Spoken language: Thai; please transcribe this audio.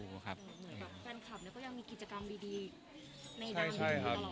เหมือนแบบแฟนคลับเนี่ยก็ยังมีกิจกรรมดี